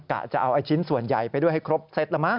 จะเอาไอ้ชิ้นส่วนใหญ่ไปด้วยให้ครบเซตแล้วมั้